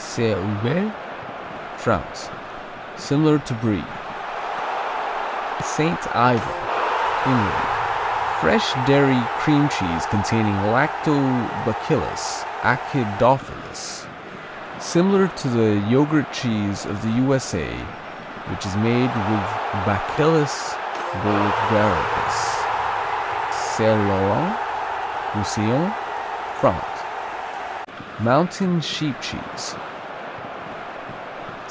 Saint Hubert France Similar to Brie. Saint Ivel England Fresh dairy cream cheese containing Lactobacillus acidophilus. Similar to the yogurt cheese of the U.S.A., which is made with Bacillus Bulgaricus. Saint Laurent Roussillon, France Mountain sheep cheese.